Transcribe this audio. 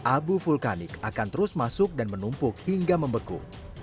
abu vulkanik akan terus masuk dan menumpuk hingga membeku